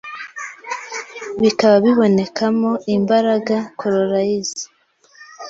bikaba bibonekamo imbaraga calories